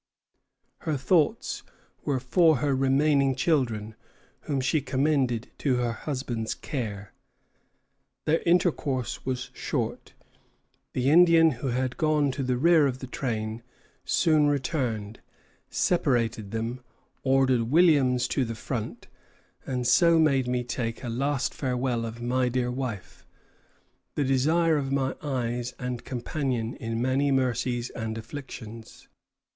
Her thoughts were for her remaining children, whom she commended to her husband's care. Their intercourse was short. The Indian who had gone to the rear of the train soon returned, separated them, ordered Williams to the front, "and so made me take a last farewell of my dear wife, the desire of my eyes and companion in many mercies and afflictions."